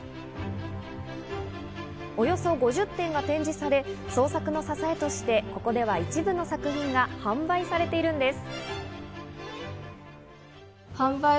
およそ５０点が展示され、創作の支えとしてここでは一部の作品が販売されているんです。